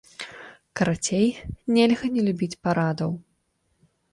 Карацей, нельга не любіць парадаў.